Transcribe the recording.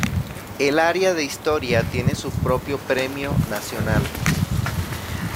El área de historia tiene su propio Premio Nacional.